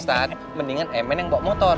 ustadz mendingan emen yang bawa motor